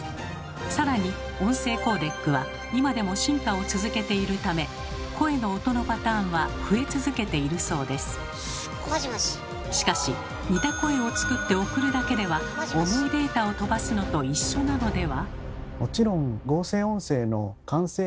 更に音声コーデックは今でも進化を続けているためしかし似た声を作って送るだけでは重いデータを飛ばすのと一緒なのでは？